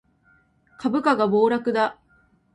株価が暴落だ